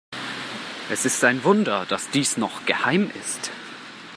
Es ist ein Wunder, dass dies noch geheim ist.